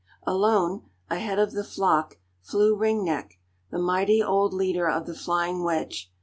Alone, ahead of the flock, flew Ring Neck, the mighty old leader of the flying wedge.